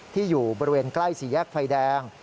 ที่อยู่บริเวณใกล้ศรีแยกไฟแดง